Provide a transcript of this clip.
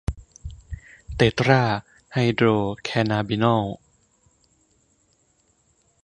เตตราไฮโดรแคนนาบินอล